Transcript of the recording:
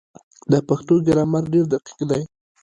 د پښتو ګرامر ډېر دقیق دی.